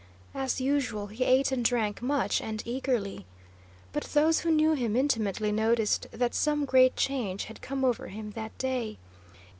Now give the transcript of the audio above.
As usual, he ate and drank much, and eagerly. But those who knew him intimately noticed that some great change had come over him that day.